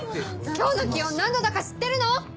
今日の気温何度だか知ってるの？